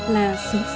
là sứ sở ngàn hoa